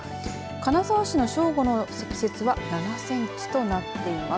金沢市の正午の積雪は７センチとなっています。